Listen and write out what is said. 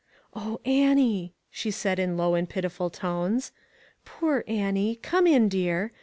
" O Annie," she said in low and pityful tones, " poor Annie, come in, dear.